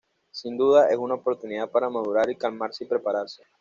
Sin duda es una oportunidad para madurar y calmarse y prepararse.